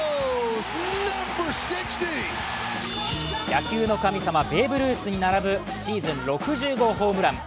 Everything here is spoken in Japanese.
野球の神様、ベーブ・ルースに並ぶシーズン６０号ホームラン。